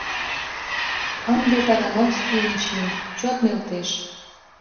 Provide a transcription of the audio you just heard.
Ынде Тагановскийын чин чот нӧлтеш!